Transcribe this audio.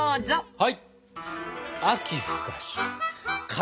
はい！